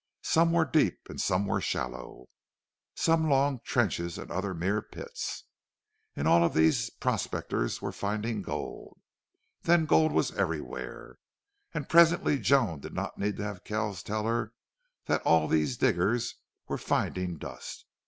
Some were deep and some were shallow; some long trenches and others mere pits. If all of these prospectors were finding gold, then gold was everywhere. And presently Joan did not need to have Kells tell her that all of these diggers were finding dust.